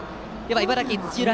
茨城・土浦